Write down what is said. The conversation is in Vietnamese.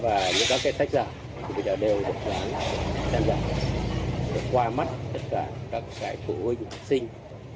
và những các cái sách giả bây giờ đều được làm danh dạng được qua mắt tất cả các cái phụ huynh học sinh